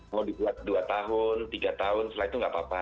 mau dibuat dua tahun tiga tahun setelah itu nggak apa apa